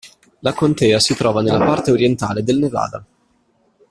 La contea si trova nella parte orientale del Nevada.